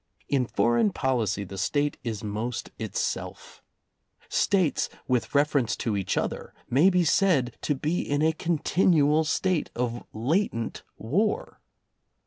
In foreign policy, the State is most itself. States, with reference to each other, may be said to be in a continual state of latent war.